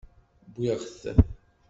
Wwiɣ-t.